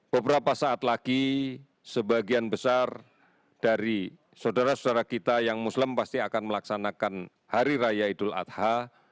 beberapa saat lagi sebagian besar dari saudara saudara kita yang muslim pasti akan melaksanakan hari raya idul adha